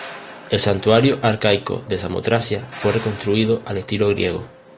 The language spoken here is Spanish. El santuario arcaico de Samotracia fue reconstruido al estilo griego.